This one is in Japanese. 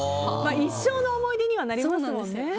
一生の思い出にはなりますもんね。